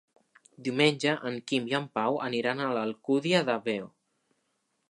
Diumenge en Quim i en Pau aniran a l'Alcúdia de Veo.